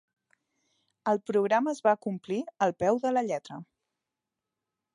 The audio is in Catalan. El programa es va acomplir al peu de la lletra.